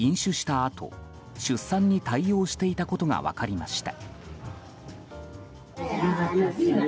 あと出産に対応していたことが分かりました。